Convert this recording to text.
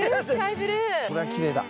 これはきれいだ。